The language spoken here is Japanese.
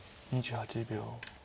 ２８秒。